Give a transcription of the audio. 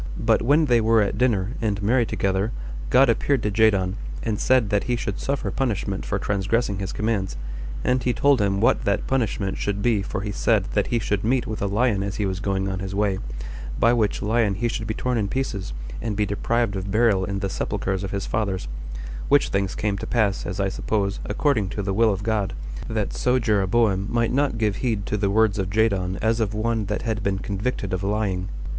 But when they were at dinner, and merry together, God appeared to Jadon, and said that he should suffer punishment for transgressing his commands, and he told him what that punishment should be for he said that he should meet with a lion as he was going on his way, by which lion he should be torn in pieces, and be deprived of burial in the sepulchers of his fathers; which things came to pass, as I suppose, according to the will of God, that so Jeroboam might not give heed to the words of Jadon as of one that had been convicted of lying.